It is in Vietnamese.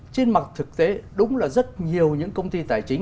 trên mặt thực tế đúng là rất nhiều những công ty tài chính